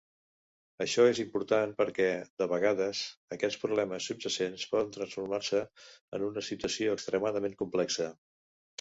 Això és important perquè, de vegades, aquests problemes subjacents poden transformar-se en una situació extremadament complexa.